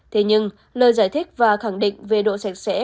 thế nhưng lời giải thích và khẳng định về độ sạch sẽ